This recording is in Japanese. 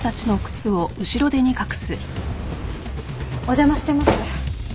お邪魔してます。